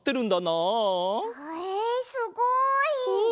えすごい。